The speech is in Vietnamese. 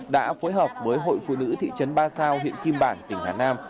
đã phối hợp với hội phụ nữ thị trấn ba sao huyện kim bản tỉnh hà nam